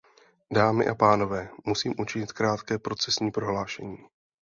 Dámy a pánové, musím učinit krátké procesní prohlášení.